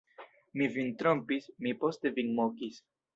Mi vin trompis, mi poste vin mokis!